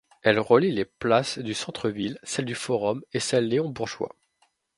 Elle relie les places du centre ville, celle du forum et celle Léon Bourgeois.